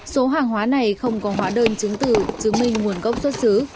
số hàng hóa này không có hóa đơn chứng tử chứng minh nguồn gốc xuất xứ